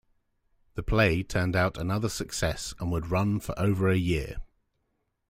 The play turned out another success and would run for over a year.